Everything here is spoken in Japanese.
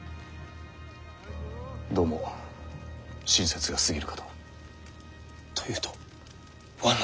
どうも親切が過ぎるかと。というと罠だと？